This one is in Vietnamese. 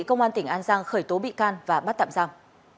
công an tỉnh an giang khởi tố bị can và bắt tạm giam